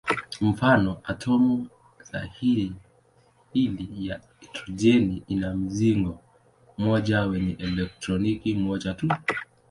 Mfano: atomu sahili ya hidrojeni ina mzingo mmoja wenye elektroni moja tu.